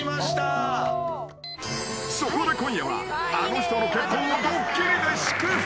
［そこで今夜はあの人の結婚をドッキリで祝福］